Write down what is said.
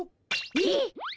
えっ！